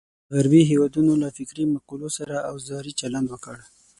غربي هېوادونو له فکري مقولو سره اوزاري چلند وکړ.